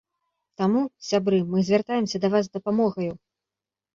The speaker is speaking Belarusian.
Таму, сябры, мы звяртаемся да вас з дапамогаю!